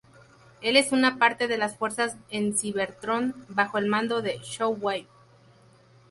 Él es una parte de las fuerzas en Cybertron bajo el mando de Shockwave.